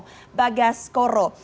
bicara tim pemenangan skoro